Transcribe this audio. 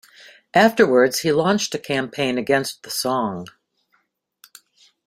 Afterwards he launched a campaign against the Song.